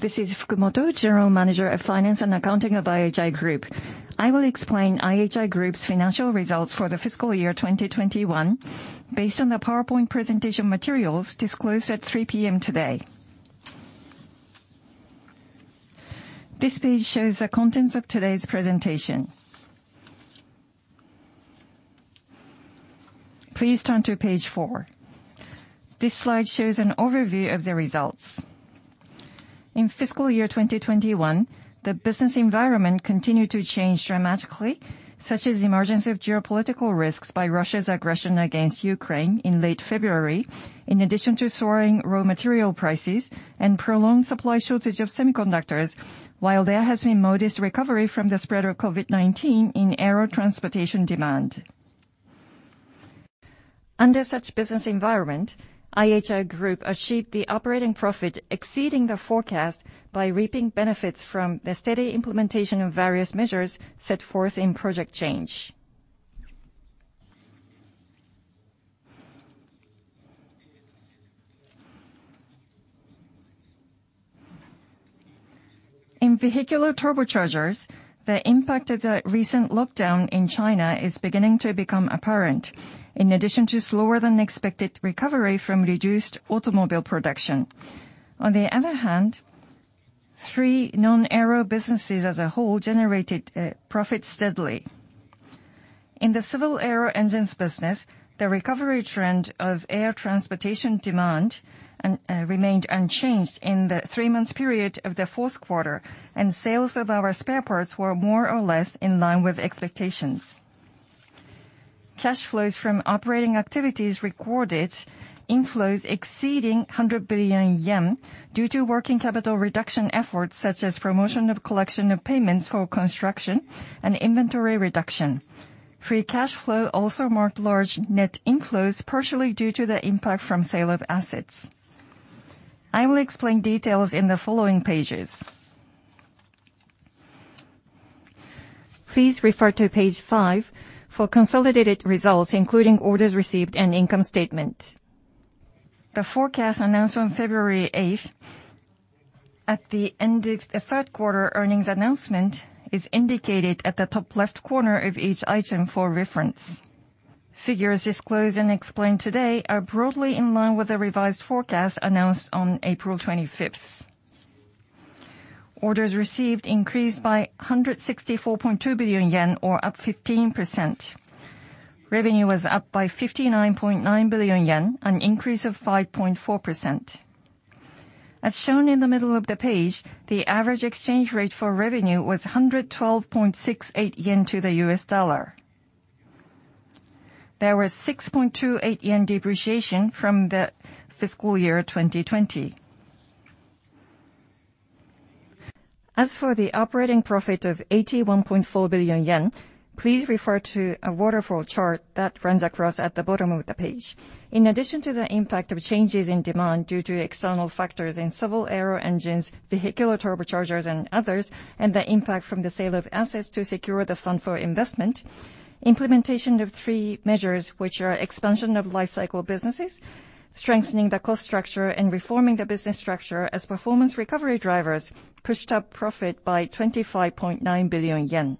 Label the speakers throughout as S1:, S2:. S1: This is Fukumoto, General Manager of Finance and Accounting of IHI Group. I will explain IHI Group's financial results for the fiscal year 2021 based on the PowerPoint presentation materials disclosed at 3:00 P.M. today. This page shows the contents of today's presentation. Please turn to page four. This slide shows an overview of the results. In fiscal year 2021, the business environment continued to change dramatically, such as the emergence of geopolitical risks by Russia's aggression against Ukraine in late February, in addition to soaring raw material prices and prolonged supply shortage of semiconductors, while there has been modest recovery from the spread of COVID-19 in aero transportation demand. Under such business environment, IHI Group achieved the operating profit exceeding the forecast by reaping benefits from the steady implementation of various measures set forth in Project Change. In vehicular turbochargers, the impact of the recent lockdown in China is beginning to become apparent, in addition to slower than expected recovery from reduced automobile production. On the other hand, three non-aero businesses as a whole generated profits steadily. In the civil aero engines business, the recovery trend of air transportation demand remained unchanged in the three-month period of the fourth quarter, and sales of our spare parts were more or less in line with expectations. Cash flows from operating activities recorded inflows exceeding 100 billion yen due to working capital reduction efforts such as promotion of collection of payments for construction and inventory reduction. Free cash flow also marked large net inflows partially due to the impact from sale of assets. I will explain details in the following pages. Please refer to page five for consolidated results including orders received and income statement. The forecast announced on February 8th at the end of the third quarter earnings announcement is indicated at the top left corner of each item for reference. Figures disclosed and explained today are broadly in line with the revised forecast announced on April 25th. Orders received increased by 164.2 billion yen or up 15%. Revenue was up by 59.9 billion yen, an increase of 5.4%. As shown in the middle of the page, the average exchange rate for revenue was 112.68 yen to the US dollar. There was 6.28 yen depreciation from the fiscal year 2020. As for the operating profit of 81.4 billion yen, please refer to a waterfall chart that runs across at the bottom of the page. In addition to the impact of changes in demand due to external factors in civil aero engines, vehicular turbochargers and others, and the impact from the sale of assets to secure the fund for investment, implementation of three measures which are expansion of life cycle businesses, strengthening the cost structure, and reforming the business structure as performance recovery drivers pushed up profit by 25.9 billion yen.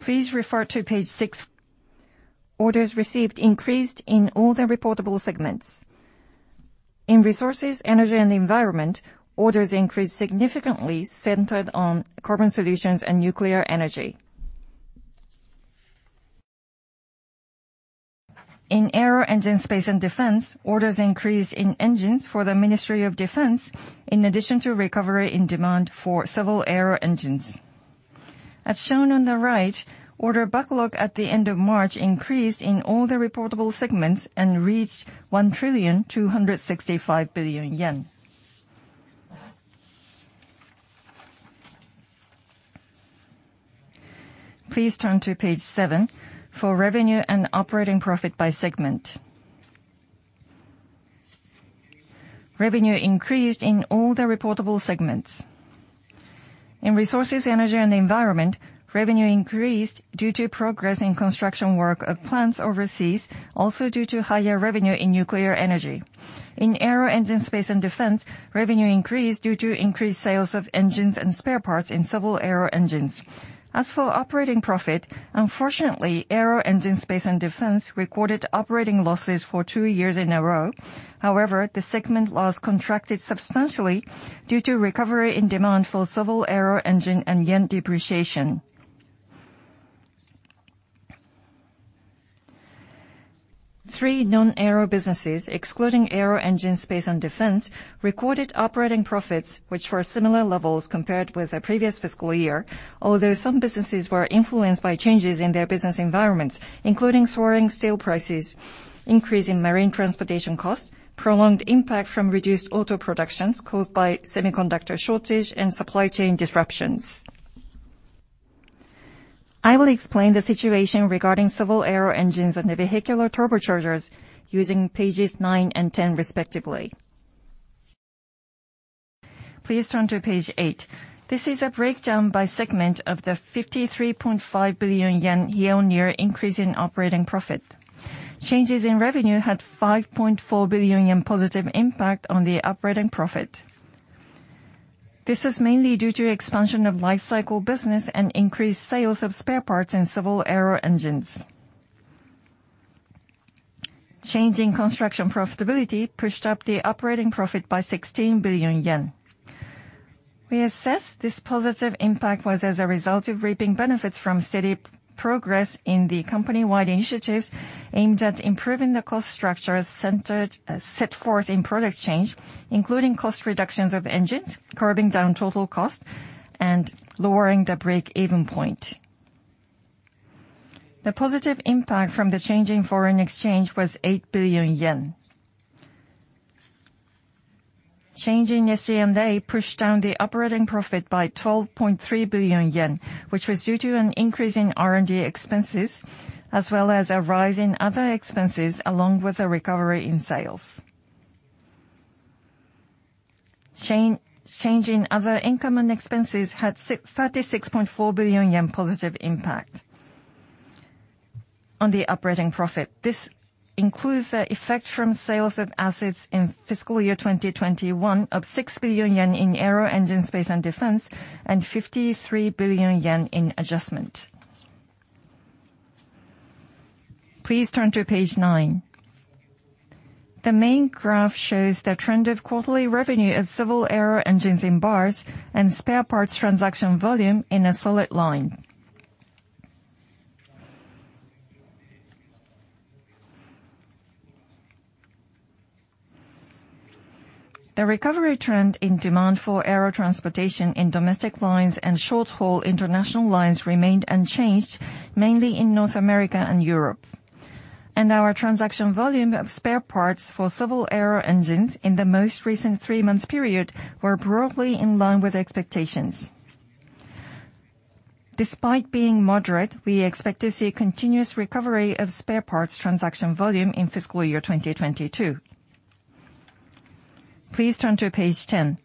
S1: Please refer to page six. Orders received increased in all the reportable segments. In Resources, Energy and Environment, orders increased significantly centered on carbon solutions and nuclear energy. In Aero Engine, Space and Defense, orders increased in engines for the Ministry of Defense, in addition to recovery in demand for civil aero engines. As shown on the right, order backlog at the end of March increased in all the reportable segments and reached 1,265 billion yen. Please turn to page seven for revenue and operating profit by segment. Revenue increased in all the reportable segments. In Resources, Energy and Environment, revenue increased due to progress in construction work of plants overseas, also due to higher revenue in nuclear energy. In Aero Engine, Space and Defense, revenue increased due to increased sales of engines and spare parts in civil aero engines. As for operating profit, unfortunately, Aero Engine, Space and Defense recorded operating losses for two years in a row. However, the segment loss contracted substantially due to recovery in demand for civil aero engine and yen depreciation. Three non-aero businesses, excluding aero engines, space and defense, recorded operating profits which were similar levels compared with the previous fiscal year, although some businesses were influenced by changes in their business environments, including soaring steel prices, increase in marine transportation costs, prolonged impact from reduced auto productions caused by semiconductor shortage and supply chain disruptions. I will explain the situation regarding civil aero engines and the vehicular turbochargers using pages nine and 10 respectively. Please turn to page eight. This is a breakdown by segment of the 53.5 billion yen year-on-year increase in operating profit. Changes in revenue had 5.4 billion yen in positive impact on the operating profit. This was mainly due to expansion of life cycle business and increased sales of spare parts in civil aero engines. Change in construction profitability pushed up the operating profit by 16 billion yen. We assess this positive impact was as a result of reaping benefits from steady progress in the company-wide initiatives aimed at improving the cost structures centered set forth in Project Change, including cost reductions of engines, curbing down total cost, and lowering the break-even point. The positive impact from the change in foreign exchange was 8 billion yen. Change in SG&A pushed down the operating profit by 12.3 billion yen, which was due to an increase in R&D expenses as well as a rise in other expenses along with a recovery in sales. Change in other income and expenses had 36.4 billion yen positive impact on the operating profit. This includes the effect from sales of assets in fiscal year 2021 of 6 billion yen in Aero Engine, Space and Defense, and 53 billion yen in adjustment. Please turn to page nine. The main graph shows the trend of quarterly revenue of civil aero engines in bars and spare parts transaction volume in a solid line. The recovery trend in demand for aero transportation in domestic lines and short-haul international lines remained unchanged, mainly in North America and Europe. Our transaction volume of spare parts for civil aero engines in the most recent three-month period were broadly in line with expectations. Despite being moderate, we expect to see continuous recovery of spare parts transaction volume in fiscal year 2022. Please turn to page 10.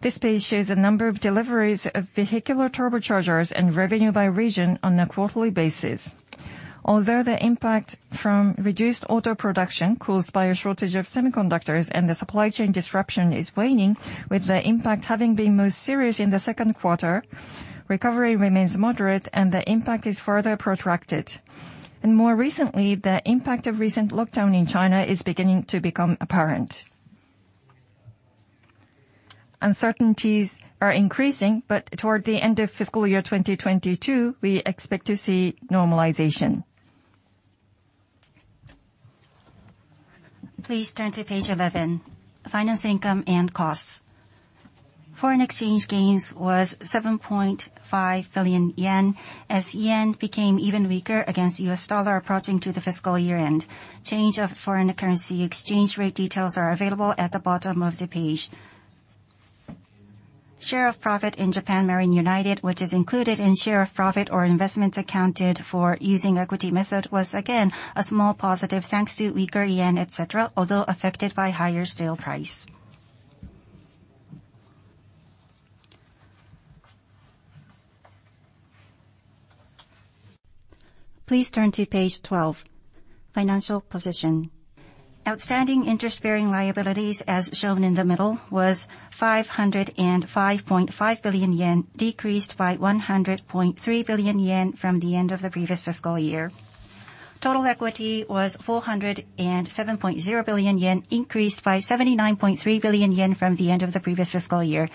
S1: This page shows the number of deliveries of vehicular turbochargers and revenue by region on a quarterly basis. Although the impact from reduced auto production caused by a shortage of semiconductors and the supply chain disruption is waning, with the impact having been most serious in the second quarter, recovery remains moderate and the impact is further protracted. More recently, the impact of recent lockdown in China is beginning to become apparent. Uncertainties are increasing, but toward the end of fiscal year 2022, we expect to see normalization. Please turn to page 11, finance income and costs. Foreign exchange gains was 7.5 billion yen as yen became even weaker against US dollar approaching to the fiscal year-end. Change of foreign currency exchange rate details are available at the bottom of the page. Share of profit in Japan Marine United, which is included in share of profit or investments accounted for using equity method, was again a small positive thanks to weaker yen, et cetera, although affected by higher steel price. Please turn to page 12, financial position. Outstanding interest-bearing liabilities, as shown in the middle, was 505.5 billion yen, decreased by 100.3 billion yen from the end of the previous fiscal year. Total equity was 407.0 billion yen, increased by 79.3 billion yen from the end of the previous fiscal year.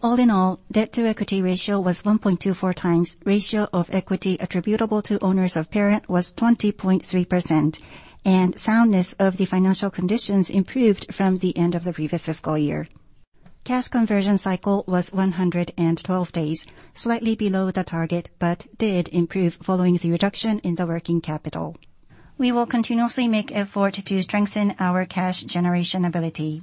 S1: All in all, debt-to-equity ratio was 1.24x. Ratio of equity attributable to owners of parent was 20.3%, and soundness of the financial conditions improved from the end of the previous fiscal year. Cash conversion cycle was 112 days, slightly below the target, but did improve following the reduction in the working capital. We will continuously make effort to strengthen our cash generation ability.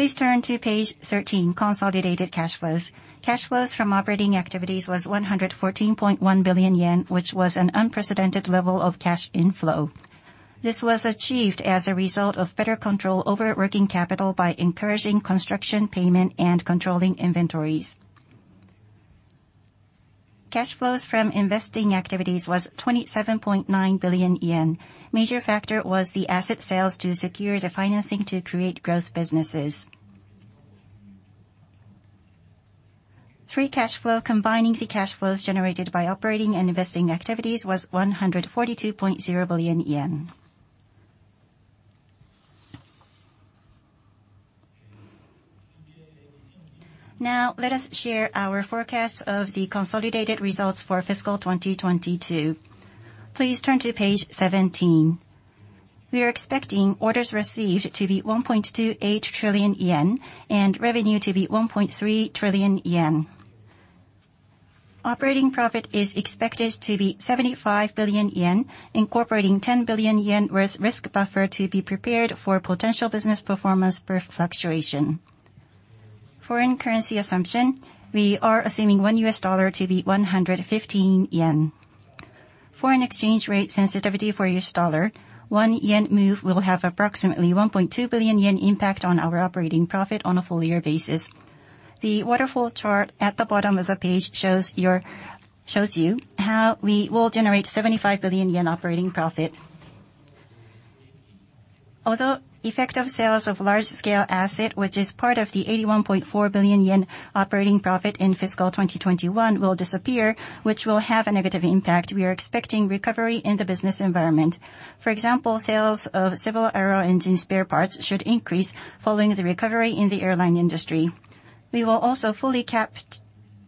S1: Please turn to page 13, consolidated cash flows. Cash flows from operating activities was 114.1 billion yen, which was an unprecedented level of cash inflow. This was achieved as a result of better control over working capital by encouraging construction payment and controlling inventories. Cash flows from investing activities was 27.9 billion yen. Major factor was the asset sales to secure the financing to create growth businesses. Free cash flow combining the cash flows generated by operating and investing activities was 142.0 billion yen. Now, let us share our forecast of the consolidated results for fiscal 2022. Please turn to page 17. We are expecting orders received to be 1.28 trillion yen and revenue to be 1.3 trillion yen. Operating profit is expected to be 75 billion yen, incorporating 10 billion yen risk buffer to be prepared for potential business performance for fluctuation. Foreign currency assumption, we are assuming one US dollar to be 115 yen. Foreign exchange rate sensitivity for US dollar, 1 yen move will have approximately 1.2 billion yen impact on our operating profit on a full year basis. The waterfall chart at the bottom of the page shows you how we will generate 75 billion yen operating profit. Although effect of sales of large scale asset, which is part of the 81.4 billion yen operating profit in fiscal 2021 will disappear, which will have a negative impact, we are expecting recovery in the business environment. For example, sales of civil aero engine spare parts should increase following the recovery in the airline industry. We will also fully capture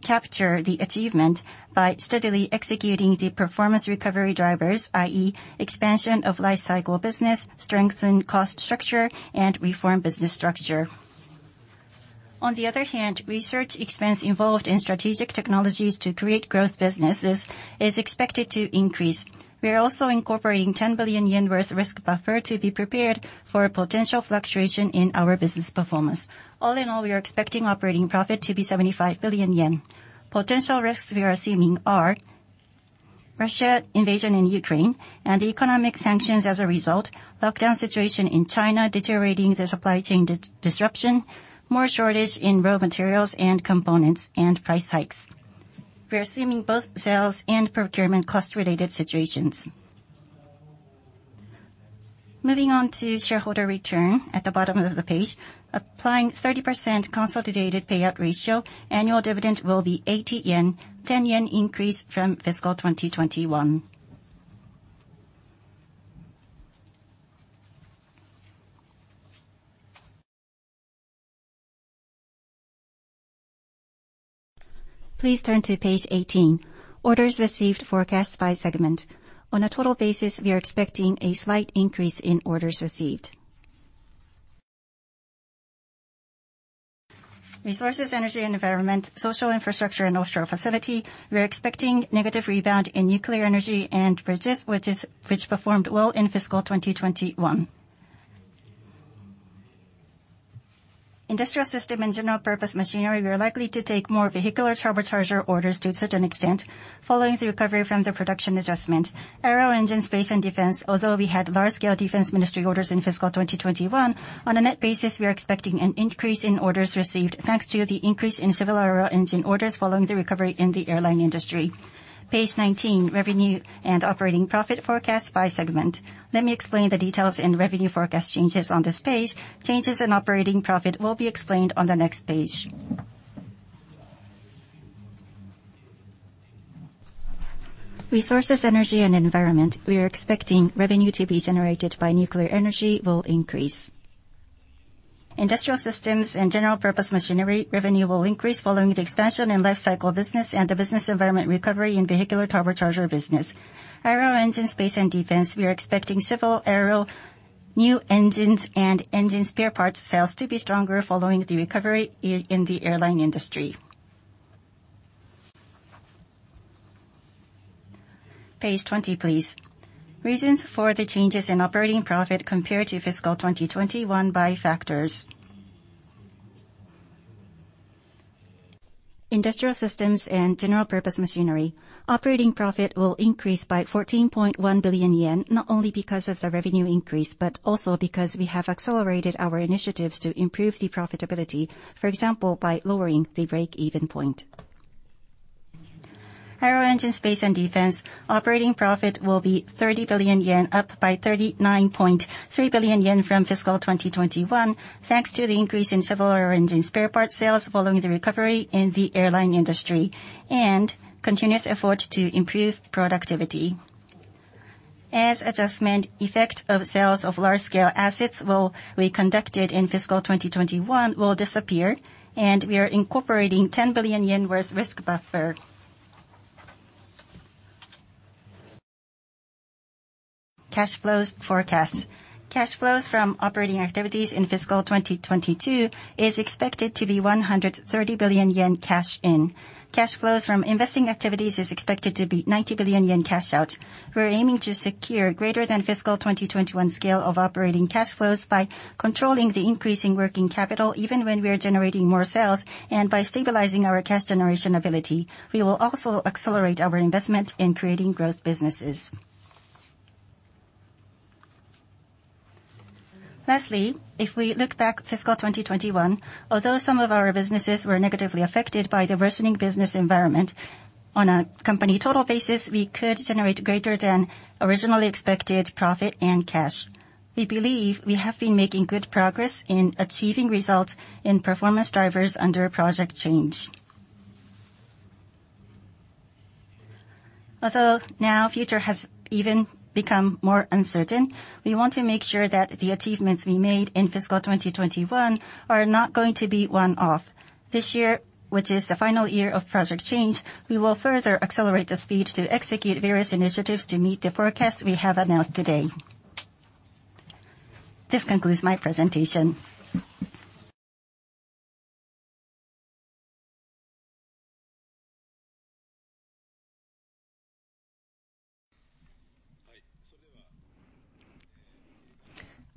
S1: the achievement by steadily executing the performance recovery drivers, i.e. expansion of life cycle business, strengthen cost structure, and reform business structure. On the other hand, research expense involved in strategic technologies to create growth businesses is expected to increase. We are also incorporating 10 billion yen worth risk buffer to be prepared for a potential fluctuation in our business performance. All in all, we are expecting operating profit to be 75 billion yen. Potential risks we are assuming are Russian invasion of Ukraine and the economic sanctions as a result, lockdown situation in China deteriorating the supply chain disruption, more shortage in raw materials and components, and price hikes. We are assuming both sales and procurement cost related situations. Moving on to shareholder return at the bottom of the page. Applying 30% consolidated payout ratio, annual dividend will be 80 yen, 10 yen increase from fiscal 2021. Please turn to page 18. Orders received forecast by segment. On a total basis, we are expecting a slight increase in orders received. Resources, Energy and Environment, Social Infrastructure and Offshore Facilities, we are expecting negative rebound in nuclear energy and bridges, which performed well in fiscal 2021. Industrial Systems and General-Purpose Machinery, we are likely to take more vehicular turbocharger orders to a certain extent following the recovery from the production adjustment. Aero Engine, Space and Defense, although we had large-scale Ministry of Defense orders in fiscal 2021, on a net basis we are expecting an increase in orders received thanks to the increase in civil aero engine orders following the recovery in the airline industry. Page 19, revenue and operating profit forecast by segment. Let me explain the details in revenue forecast changes on this page. Changes in operating profit will be explained on the next page. Resources, Energy and Environment, we are expecting revenue to be generated by nuclear energy will increase. Industrial Systems and General-Purpose Machinery revenue will increase following the expansion in lifecycle business and the business environment recovery in vehicular turbocharger business. Aero Engine, Space and Defense, we are expecting civil aero, new engines and engine spare parts sales to be stronger following the recovery in the airline industry. Page 20, please. Reasons for the changes in operating profit compared to fiscal 2021 by factors. Industrial Systems and General-Purpose Machinery. Operating profit will increase by 14.1 billion yen, not only because of the revenue increase, but also because we have accelerated our initiatives to improve the profitability, for example, by lowering the break-even point. Aero Engine, Space and Defense operating profit will be 30 billion yen, up by 39.3 billion yen from fiscal 2021, thanks to the increase in civil aero engine spare parts sales following the recovery in the airline industry, and continuous effort to improve productivity. As the adjustment effect of sales of large-scale assets will be conducted in fiscal 2021 will disappear, and we are incorporating 10 billion yen worth risk buffer. Cash flows forecast. Cash flows from operating activities in fiscal 2022 is expected to be 130 billion yen cash in. Cash flows from investing activities is expected to be 90 billion yen cash out. We are aiming to secure greater than fiscal 2021 scale of operating cash flows by controlling the increase in working capital, even when we are generating more sales, and by stabilizing our cash generation ability. We will also accelerate our investment in creating growth businesses. Lastly, if we look back fiscal 2021, although some of our businesses were negatively affected by the worsening business environment, on a company total basis, we could generate greater than originally expected profit and cash. We believe we have been making good progress in achieving results in performance drivers under Project Change. Although the future has even become more uncertain, we want to make sure that the achievements we made in fiscal 2021 are not going to be one-off. This year, which is the final year of Project Change, we will further accelerate the speed to execute various initiatives to meet the forecast we have announced today. This concludes my presentation.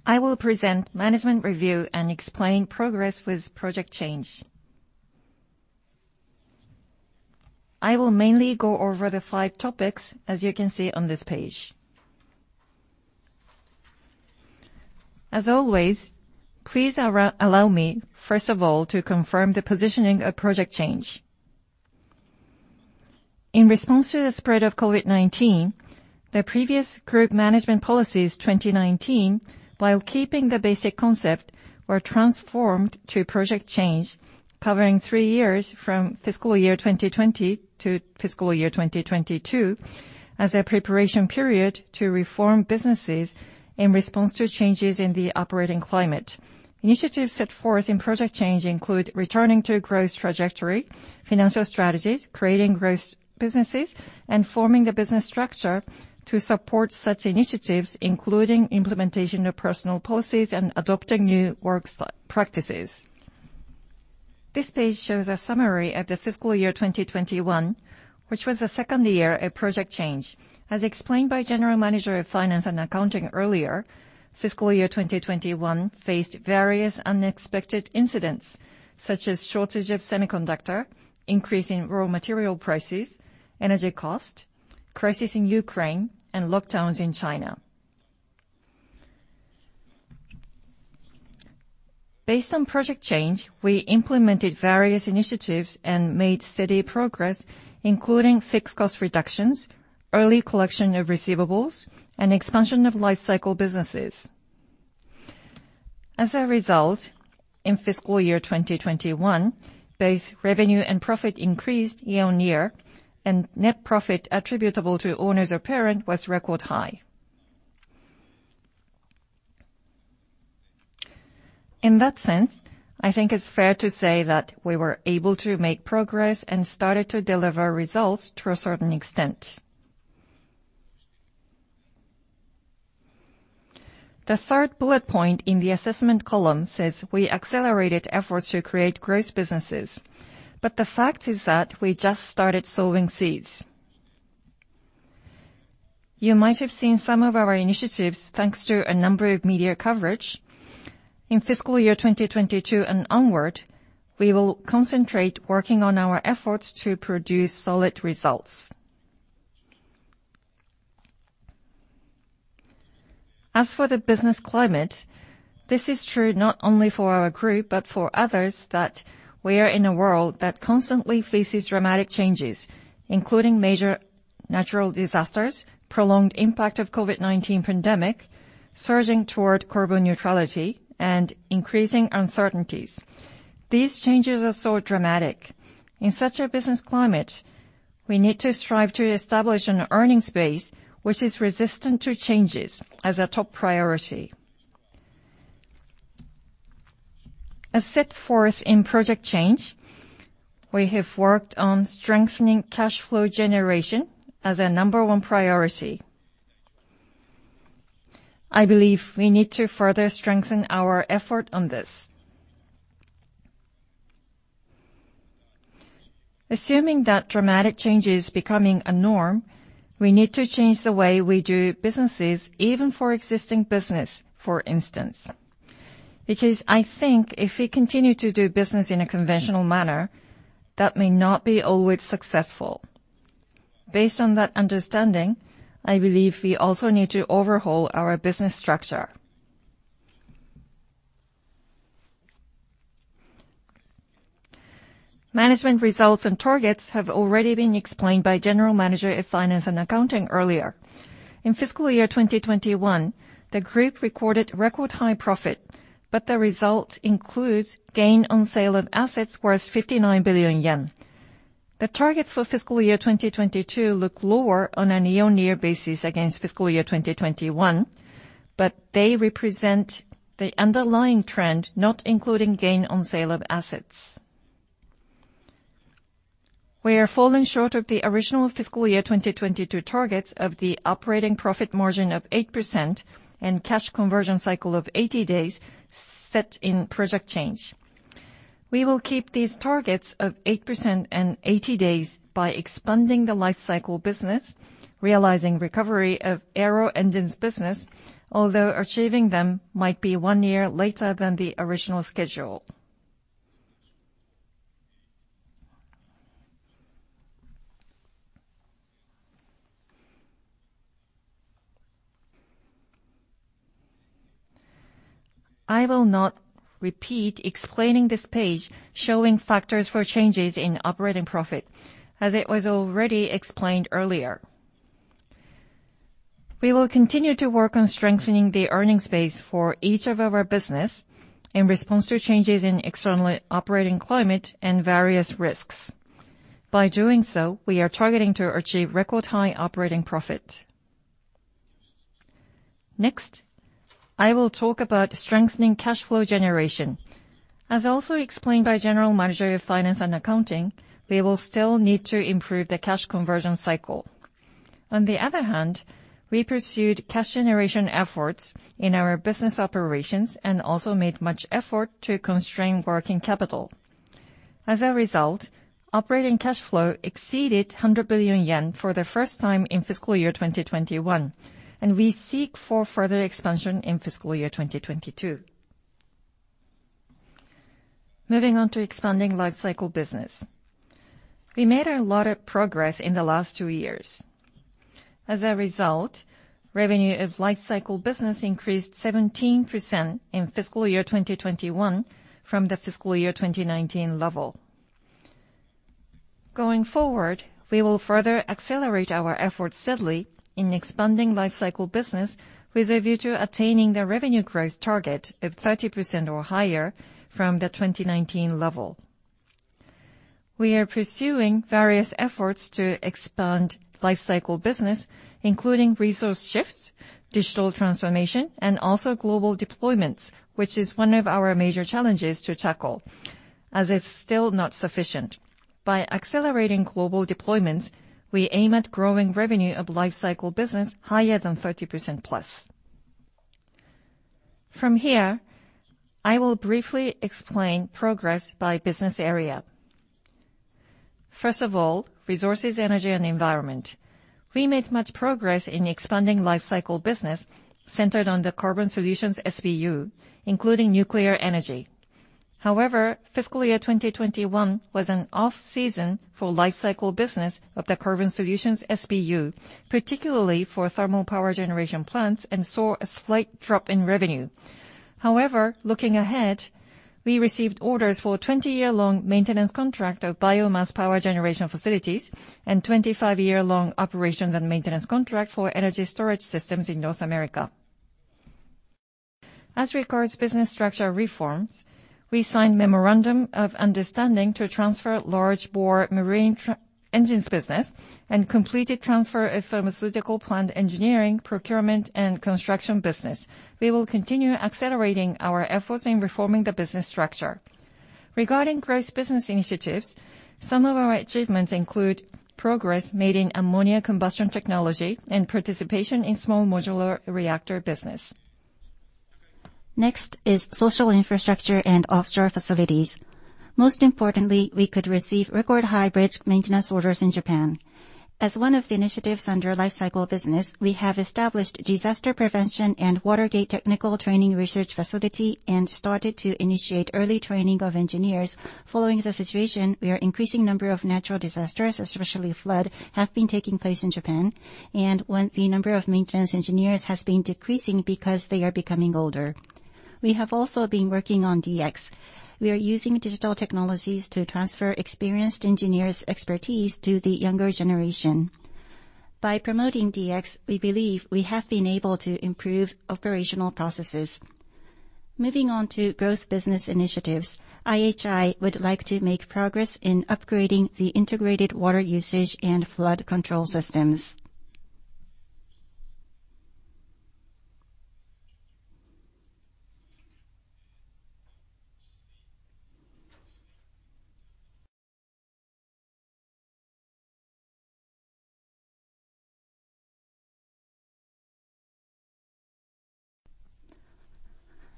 S2: I will present management review and explain progress with Project Change. I will mainly go over the five topics as you can see on this page. As always, please allow me first of all to confirm the positioning of Project Change. In response to the spread of COVID-19, the previous Group Management Policies 2019, while keeping the basic concept, were transformed to Project Change covering three years from fiscal year 2020 to fiscal year 2022, as a preparation period to reform businesses in response to changes in the operating climate. Initiatives set forth in Project Change include returning to growth trajectory, financial strategies, creating growth businesses, and forming the business structure to support such initiatives, including implementation of personnel policies and adopting new work practices. This page shows a summary of the fiscal year 2021, which was the second year of Project Change. As explained by General Manager of Finance and Accounting earlier, fiscal year 2021 faced various unexpected incidents such as shortage of semiconductor, increase in raw material prices, energy cost, crisis in Ukraine, and lockdowns in China. Based on Project Change, we implemented various initiatives and made steady progress, including fixed cost reductions, early collection of receivables, and expansion of life cycle businesses. As a result, in fiscal year 2021, both revenue and profit increased year-on-year, and net profit attributable to owners of parent was record high. In that sense, I think it's fair to say that we were able to make progress and started to deliver results to a certain extent. The third bullet point in the assessment column says we accelerated efforts to create growth businesses, but the fact is that we just started sowing seeds. You might have seen some of our initiatives thanks to a number of media coverage. In fiscal year 2022 and onward, we will concentrate working on our efforts to produce solid results. As for the business climate, this is true not only for our group, but for others, that we are in a world that constantly faces dramatic changes, including major natural disasters, prolonged impact of COVID-19 pandemic, surging toward carbon neutrality, and increasing uncertainties. These changes are so dramatic. In such a business climate, we need to strive to establish an earnings base which is resistant to changes as a top priority. As set forth in Project Change, we have worked on strengthening cash flow generation as a number one priority. I believe we need to further strengthen our effort on this. Assuming that dramatic change is becoming a norm, we need to change the way we do businesses, even for existing business, for instance. Because I think if we continue to do business in a conventional manner, that may not be always successful. Based on that understanding, I believe we also need to overhaul our business structure. Management results and targets have already been explained by General Manager of Finance and Accounting earlier. In fiscal year 2021, the group recorded record high profit, but the result includes gain on sale of assets worth 59 billion yen. The targets for fiscal year 2022 look lower on a year-on-year basis against fiscal year 2021, but they represent the underlying trend, not including gain on sale of assets. We are falling short of the original fiscal year 2022 targets of the operating profit margin of 8% and cash conversion cycle of 80 days set in Project Change. We will keep these targets of 8% and 80 days by expanding the lifecycle business, realizing recovery of Aero Engines business, although achieving them might be one year later than the original schedule. I will not repeat explaining this page, showing factors for changes in operating profit, as it was already explained earlier. We will continue to work on strengthening the earnings base for each of our business in response to changes in external operating climate and various risks. By doing so, we are targeting to achieve record high operating profit. Next, I will talk about strengthening cash flow generation. As also explained by General Manager of Finance and Accounting, we will still need to improve the cash conversion cycle. On the other hand, we pursued cash generation efforts in our business operations and also made much effort to constrain working capital. As a result, operating cash flow exceeded 100 billion yen for the first time in fiscal year 2021, and we seek for further expansion in fiscal year 2022. Moving on to expanding lifecycle business. We made a lot of progress in the last two years. As a result, revenue of lifecycle business increased 17% in fiscal year 2021 from the fiscal year 2019 level. Going forward, we will further accelerate our efforts steadily in expanding lifecycle business with a view to attaining the revenue growth target of 30% or higher from the 2019 level. We are pursuing various efforts to expand lifecycle business, including resource shifts, digital transformation, and also global deployments, which is one of our major challenges to tackle, as it's still not sufficient. By accelerating global deployments, we aim at growing revenue of lifecycle business higher than 30% plus. From here, I will briefly explain progress by business area. First of all, Resources, Energy and Environment. We made much progress in expanding lifecycle business centered on the Carbon Solution SBU, including nuclear energy. However, fiscal year 2021 was an off-season for lifecycle business of the Carbon Solution SBU, particularly for thermal power generation plants, and saw a slight drop in revenue. However, looking ahead, we received orders for a 20-year-long maintenance contract of biomass power generation facilities and 25-year-long operations and maintenance contract for energy storage systems in North America. As regards business structure reforms, we signed memorandum of understanding to transfer large marine engines business and completed transfer of pharmaceutical plant engineering, procurement and construction business. We will continue accelerating our efforts in reforming the business structure. Regarding growth business initiatives, some of our achievements include progress made in ammonia combustion technology and participation in small modular reactor business. Next is Social Infrastructure and Offshore Facilities. Most importantly, we could receive record high bridge maintenance orders in Japan. As one of the initiatives under lifecycle business, we have established Disaster prevention and Water Gate Technical Training research facility and started to initiate early training of engineers. Following the situation, with increasing number of natural disasters, especially floods, have been taking place in Japan, and with the number of maintenance engineers has been decreasing because they are becoming older. We have also been working on DX. We are using digital technologies to transfer experienced engineers' expertise to the younger generation. By promoting DX, we believe we have been able to improve operational processes. Moving on to growth business initiatives. IHI would like to make progress in upgrading the integrated water usage and flood control systems.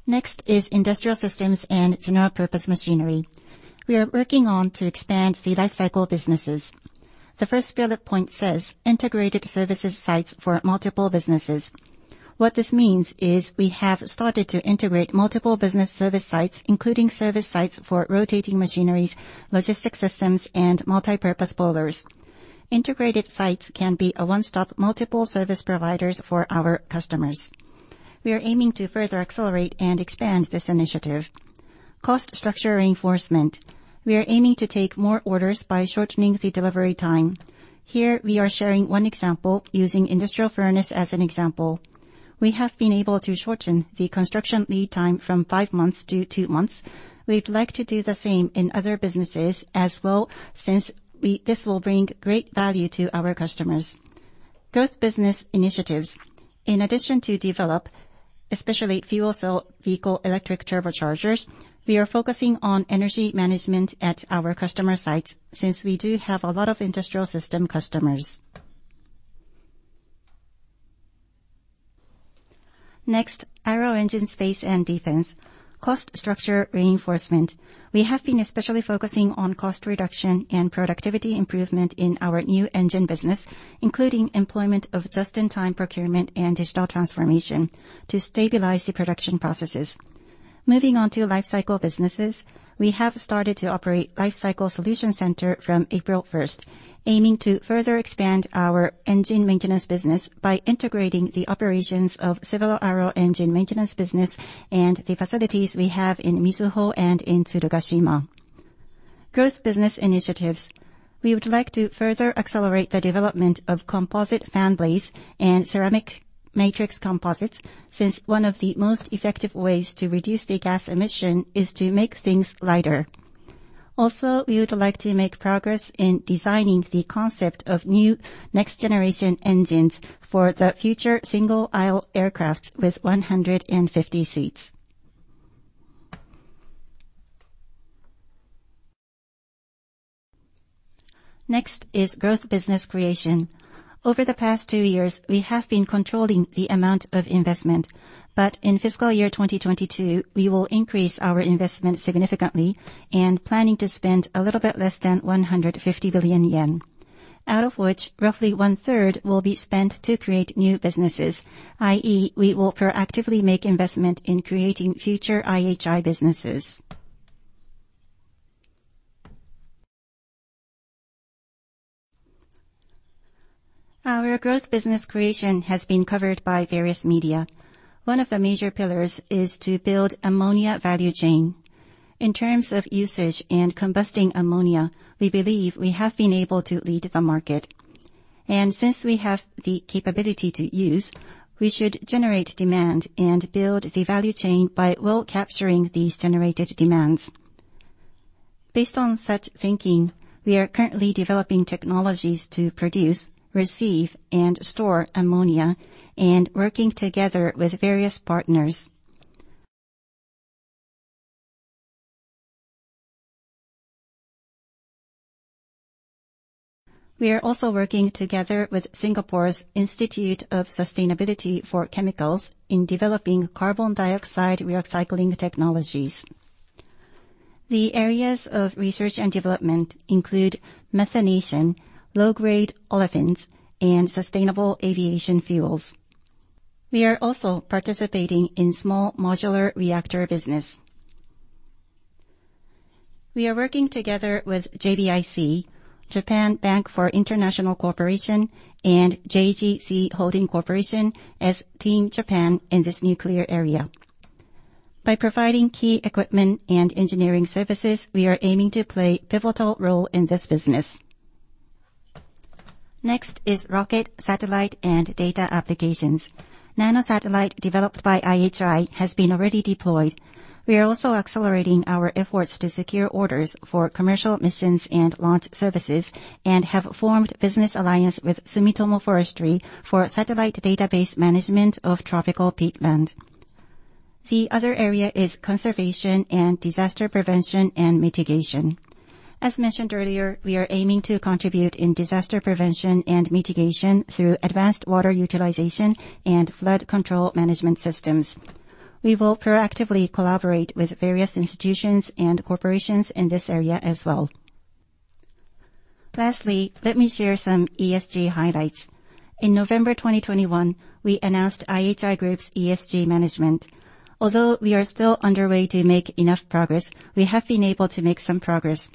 S2: Next is Industrial Systems and General-Purpose Machinery. We are working on to expand the lifecycle businesses. The first bullet point says integrated services sites for multiple businesses. What this means is we have started to integrate multiple business service sites, including service sites for rotating machineries, logistics systems and multipurpose boilers. Integrated sites can be a one-stop multiple service providers for our customers. We are aiming to further accelerate and expand this initiative. Cost structure reinforcement. We are aiming to take more orders by shortening the delivery time. Here we are sharing one example using industrial furnace as an example. We have been able to shorten the construction lead time from five months to two months. We would like to do the same in other businesses as well, since this will bring great value to our customers. Growth business initiatives. In addition to develop, especially fuel cell vehicle electric turbochargers, we are focusing on energy management at our customer sites since we do have a lot of industrial system customers. Next, Aero Engine, Space and Defense. Cost structure reinforcement. We have been especially focusing on cost reduction and productivity improvement in our new engine business, including employment of just-in-time procurement and digital transformation to stabilize the production processes. Moving on to lifecycle businesses. We have started to operate Lifecycle Solution Center from April 1, aiming to further expand our engine maintenance business by integrating the operations of several aero engine maintenance business and the facilities we have in Mizuho and in Tsurugashima. Growth business initiatives. We would like to further accelerate the development of composite fan blades and ceramic matrix composites, since one of the most effective ways to reduce the gas emission is to make things lighter. Also, we would like to make progress in designing the concept of new next generation engines for the future single aisle aircraft with 150 seats. Next is growth business creation. Over the past two years, we have been controlling the amount of investment, but in fiscal year 2022, we will increase our investment significantly and planning to spend a little bit less than 150 billion yen, out of which roughly 1/3 will be spent to create new businesses, i.e., we will proactively make investment in creating future IHI businesses. Our growth business creation has been covered by various media. One of the major pillars is to build ammonia value chain. In terms of usage and combusting ammonia, we believe we have been able to lead the market. Since we have the capability to use, we should generate demand and build the value chain by well capturing these generated demands. Based on such thinking, we are currently developing technologies to produce, receive, and store ammonia, and working together with various partners. We are also working together with Singapore's Institute of Sustainability for Chemicals in developing carbon dioxide recycling technologies. The areas of research and development include methanation, lower olefins, and sustainable aviation fuels. We are also participating in small modular reactor business. We are working together with JBIC, Japan Bank for International Cooperation, and JGC Holdings Corporation as Team Japan in this nuclear area. By providing key equipment and engineering services, we are aiming to play pivotal role in this business. Next is rocket, satellite, and data applications. Nanosatellite developed by IHI has been already deployed. We are also accelerating our efforts to secure orders for commercial missions and launch services, and have formed business alliance with Sumitomo Forestry for satellite database management of tropical peatland. The other area is conservation and disaster prevention and mitigation. As mentioned earlier, we are aiming to contribute in disaster prevention and mitigation through advanced water utilization and flood control management systems. We will proactively collaborate with various institutions and corporations in this area as well. Lastly, let me share some ESG highlights. In November 2021, we announced IHI Group's ESG management. Although we are still underway to make enough progress, we have been able to make some progress.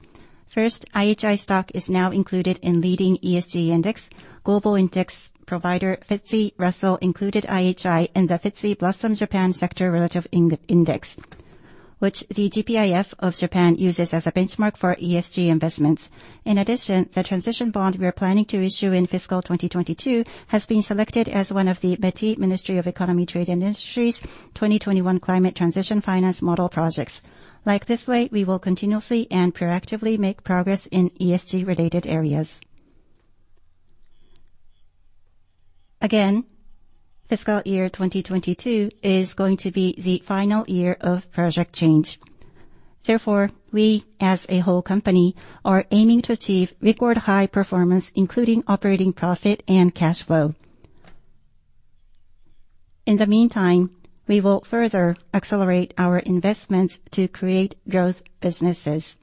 S2: First, IHI stock is now included in leading ESG index. Global index provider FTSE Russell included IHI in the FTSE Blossom Japan Sector Relative Index, which the GPIF of Japan uses as a benchmark for ESG investments. In addition, the transition bond we are planning to issue in fiscal 2022 has been selected as one of the METI, Ministry of Economy, Trade and Industry's 2021 climate transition finance model projects. Like this way, we will continuously and proactively make progress in ESG related areas. Fiscal year 2022 is going to be the final year of Project Change. Therefore, we, as a whole company, are aiming to achieve record high performance, including operating profit and cash flow. In the meantime, we will further accelerate our investments to create growth businesses.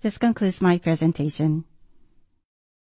S2: This concludes my presentation.